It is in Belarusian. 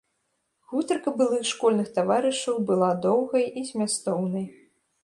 Гутарка былых школьных таварышаў была доўгай і змястоўнай.